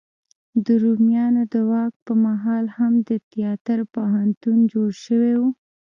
د روميانو د واک په مهال هم د تیاتر پوهنتون جوړ شوی و.